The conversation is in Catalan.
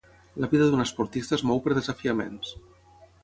La vida d’un esportista es mou per desafiaments.